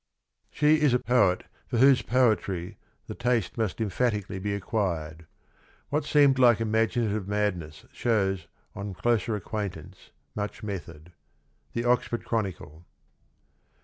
102 She is a poet for whose poetry the taste must emphatically be acquired. What seemed like imaginative madness shows on closer acquaintance much method. — The Oxford Chronicle.